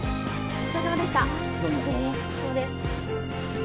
お疲れさまです。